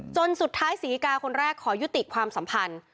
จนสุดท้ายศรีกาคนแรกขอยุติความสัมพันธ์